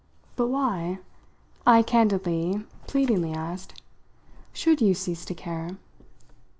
But why," I candidly, pleadingly asked, "should you cease to care?"